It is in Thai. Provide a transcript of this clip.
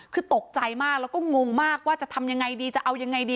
คือตกใจมากแล้วก็งงมากว่าจะทำยังไงดีจะเอายังไงดี